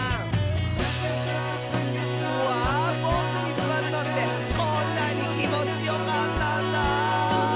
「うわボクにすわるのってこんなにきもちよかったんだ」